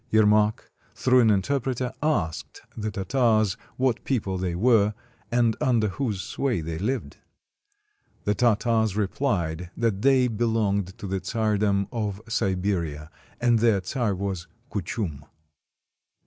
Yermak, through an interpreter, asked the Tartars what people they were, and under whose sway they lived. The Tartars replied that they belonged to the czar dom of Siberia, and their czar was Kuchum.